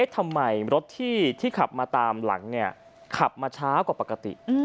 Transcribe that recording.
ทำไมรถที่ขับมาตามหลังขับมาช้ากว่าปกติ